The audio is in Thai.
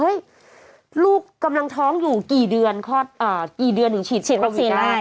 เฮ้ยลูกกำลังท้องอยู่กี่เดือนที่ฉีดวัคซีนได้